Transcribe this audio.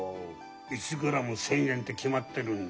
１グラム１，０００円って決まってるんだ。